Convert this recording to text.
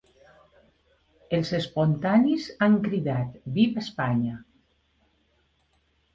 Els espontanis han cridat ‘Viva Espanya’.